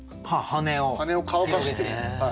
羽を乾かしている。